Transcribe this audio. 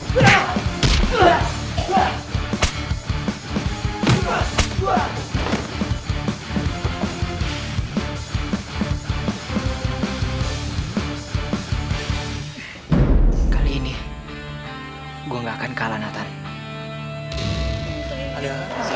sampai jumpa di video selanjutnya